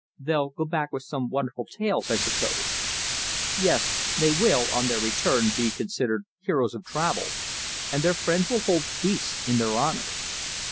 "They'll go back with some wonderful tales, I suppose." "Yes. They will, on their return, be considered heroes of travel, and their friends will hold feasts in their honour."